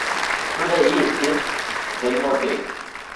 To the east is Delmotte.